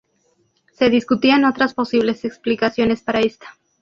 Se discutían otras posibles explicaciones para esta.